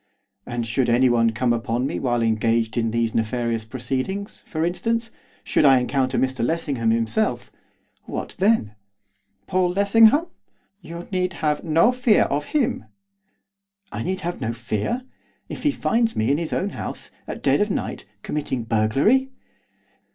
'And should anyone come upon me while engaged in these nefarious proceedings, for instance, should I encounter Mr Lessingham himself, what then?' 'Paul Lessingham? You need have no fear if you encounter him.' 'I need have no fear! If he finds me, in his own house, at dead of night, committing burglary!